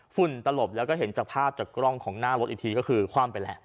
ฝุ่นตลบแล้วก็เห็นจากภาพจากกล้องของหน้ารถอีกทีก็คือคว่ำไปแหละ